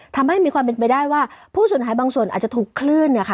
ทำให้มีความเห็นไปได้ว่าผู้สุดหายบางส่วนอาจจะถูกคลื่น